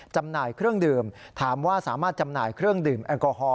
จำหน่ายเครื่องดื่มถามว่าสามารถจำหน่ายเครื่องดื่มแอลกอฮอล